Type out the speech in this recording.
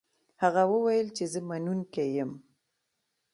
هغه وویل چې زه منونکی یم.